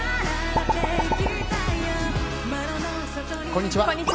こんにちは。